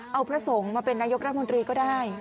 เอาพระสงฆ์มาเป็นนายกรัฐมนตรีก็ได้